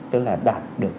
tức là đạt được